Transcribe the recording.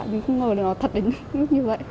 vì không ngờ là nó thật đến lúc như vậy